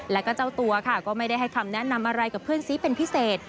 แล้วก็เจ้าตัวค่ะก็ไม่ได้ให้คำแนะนำอะไรกับเพื่อนซีเป็นพิเศษ